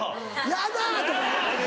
「ヤダ」とか。